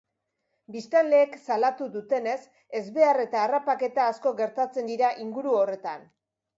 Biztanleek salatu dutenez, ezbehar eta harrapaketa asko gertatzen dira inguru horretan.